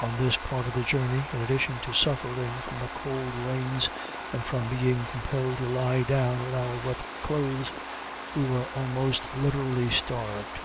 On this part of the journey, in addition to suffering from the cold rains, and from being compelled to lie down in our wet clothes, we were almost literally starved.